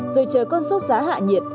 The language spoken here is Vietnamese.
rồi chờ con sốt giá hạ nhiệt